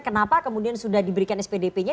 kenapa kemudian sudah diberikan spdp nya